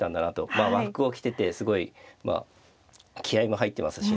まあ和服を着ててすごいまあ気合いも入ってますしね。